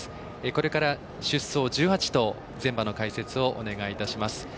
これから出走１８頭全馬の解説をお願いいたします。